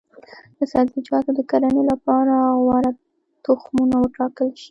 د سبزیجاتو د کرنې لپاره غوره تخمونه وټاکل شي.